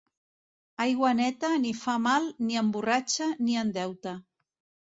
Aigua neta ni fa mal, ni emborratxa, ni endeuta.